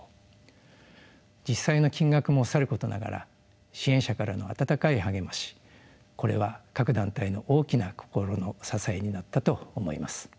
実際の金額もさることながら支援者からの温かい励ましこれは各団体の大きな心の支えになったと思います。